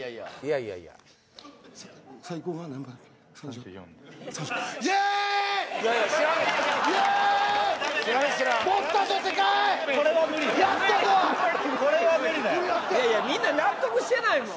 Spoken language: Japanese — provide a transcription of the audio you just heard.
いやいやみんな納得してないもん